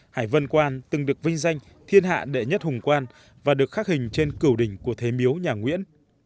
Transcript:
hải vân quan từng được vinh danh thiên hạ đệ nhất hùng quan và được khắc hình trên cử đỉnh của thế miếu nhà nguyễn